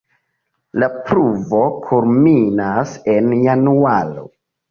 La pluvo kulminas en januaro.